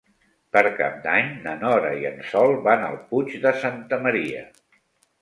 Per Cap d'Any na Nora i en Sol van al Puig de Santa Maria.